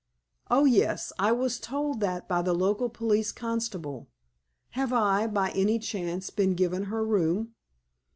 "Oh, yes. I was told that by the local police constable. Have I, by any chance, been given her room?"